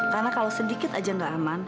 karena kalau sedikit saja tidak aman